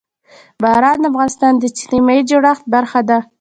باران د افغانستان د اجتماعي جوړښت برخه ده.